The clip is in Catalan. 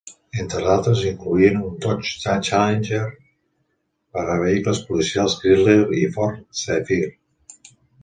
Entre d'altres, incloïen un Dodge Challenger per a vehicles policials Chrysler i Ford Zephyr.